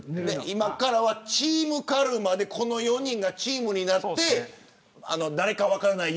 今からチームカルマでこの４人がチームになって誰か分からない